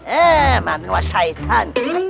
eh mantan wah syaitan